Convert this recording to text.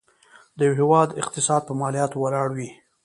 د یو هيواد اقتصاد په مالياتو ولاړ وي.